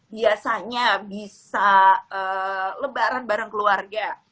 biasanya bisa lebaran bareng keluarga